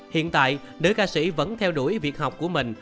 hiện tại nữ ca sĩ vẫn theo đuổi việc học của mình